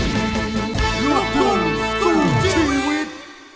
รับทุกข์สู่ชีวิต